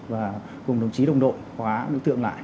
và cùng đồng chí đồng đội khóa đối tượng lại